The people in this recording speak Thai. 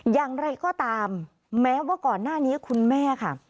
อย่างไรก็ตามแม้ว่าก่อนหน้านี้คุณแม่ค่ะ